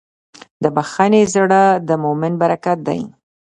د بښنې زړه د مؤمن برکت دی.